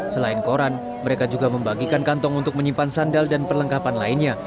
selain koran mereka juga membagikan kantong untuk menyimpan sandal dan perlengkapan lainnya